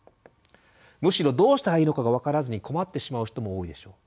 むしろどうしたらいいのかが分からずに困ってしまう人も多いでしょう。